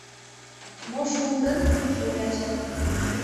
— Мо шуын гын? — ӧрӧ ача.